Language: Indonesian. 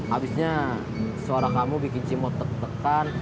abisnya suara kamu bikin cimot tekan tekan